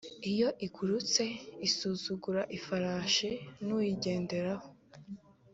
Iyo igurutse Isuzugura ifarashi n uyigenderaho